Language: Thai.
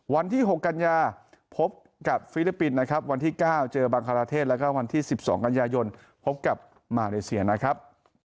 วันที่๖กันยาพบกับฟิลิปปินส์นะครับวันที่๙เจอบังคาราเทศแล้วก็วันที่๑๒กันยายนพบกับมาเลเซียนะครับ